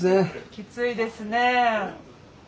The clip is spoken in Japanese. きついですねえ。